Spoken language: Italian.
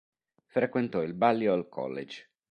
Frequentò il Balliol College.